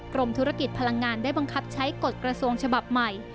กรมธุรกิจพลังงานได้บังคับใช้กฎกระทรวงฉบับใหม่